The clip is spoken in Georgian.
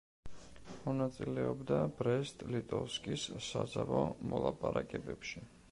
მონაწილეობდა ბრესტ-ლიტოვსკის საზავო მოლაპარაკებებში.